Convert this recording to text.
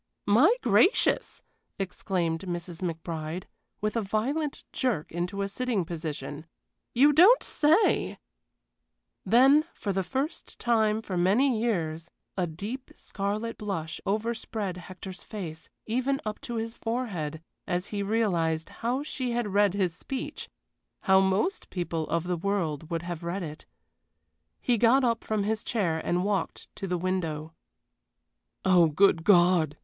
"My gracious!" exclaimed Mrs. McBride, with a violent jerk into a sitting position. "You don't say " Then, for the first time for many years, a deep scarlet blush overspread Hector's face, even up to his forehead as he realized how she had read his speech how most people of the world would have read it. He got up from his chair and walked to the window. "Oh, good God!"